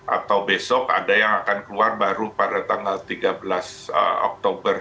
atau besok ada yang akan keluar baru pada tanggal tiga belas oktober